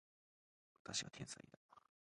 私は天才だ